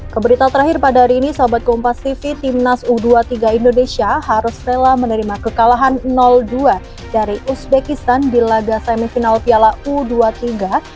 keberitaan terakhir pada hari ini sahabat kompas tv timnas u dua puluh tiga indonesia harus rela menerima kekalahan dua dari uzbekistan di laga semifinal piala u dua puluh tiga di stadion abdullah bin khalifa doha senin dua puluh sembilan april dua ribu dua puluh empat